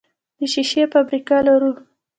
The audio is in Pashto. د شیشې فابریکه لرو؟